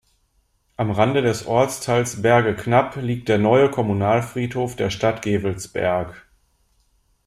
Am Rande des Ortsteils Berge-Knapp liegt der neue Kommunalfriedhof der Stadt Gevelsberg.